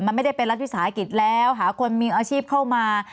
มันไม่ได้เป็นรัฐวิสาหกิจแล้วหาคนมีอาชีพเข้ามา